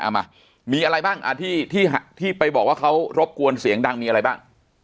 มามีอะไรบ้างที่ไปบอกว่าเขารบกวนเสียงดังมีอะไรบ้าง